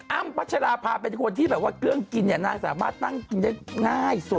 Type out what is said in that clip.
พัชราภาเป็นคนที่แบบว่าเครื่องกินเนี่ยนางสามารถตั้งกินได้ง่ายสุด